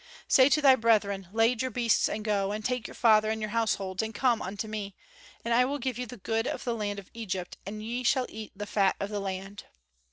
"Say to thy brethren, lade your beasts and go, and take your father and your households, and come unto me; and I will give you the good of the land of Egypt, and ye shall eat the fat of the land."